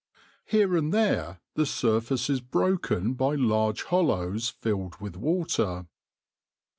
Here and there the surface is broken by large hollows filled with water.